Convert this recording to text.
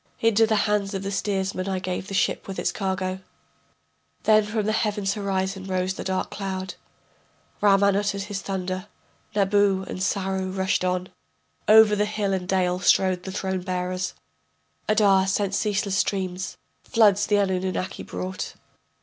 Into the hands of the steersman I gave the ship with its cargo. Then from the heaven's horizon rose the dark cloud Raman uttered his thunder, Nabu and Sarru rushed on, Over hill and dale strode the throne bearers, Adar sent ceaseless streams, floods the Anunnaki brought.